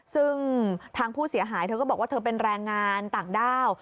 ซึ่งทางผู้เสียหายเธอก็บอกว่าเธอเป็นแรงงานต่างด้าว